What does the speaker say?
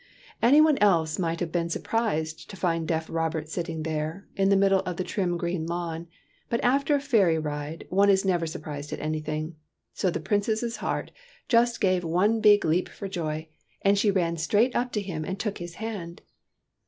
Any one else might have been sur prised to find deaf Robert sitting there, in the middle of the trim green lawn, but after a fairy ride one is never surprised at anything; so the Princess's heart just gave one big jump for joy, and she ran straight up to him and took his hand.